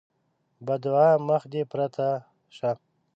بدعا: مخ دې پرته شه!